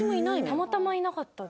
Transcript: たまたまいなかったって事。